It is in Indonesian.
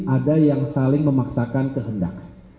ada yang saling memaksakan kehendak